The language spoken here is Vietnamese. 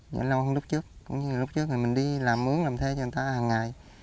nhẹ lo hơn lúc trước cũng như lúc trước mình đi làm mướn làm thế cho người ta hằng ngày